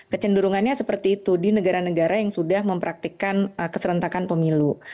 kecenderungannya seperti itu di negara negara yang sudah mempraktikkan keserentakan pemilu